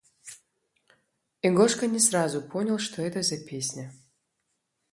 и Гошка не сразу понял, что это за песня